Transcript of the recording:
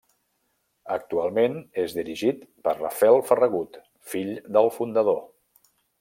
Actualment, és dirigit per Rafel Ferragut, fill del fundador.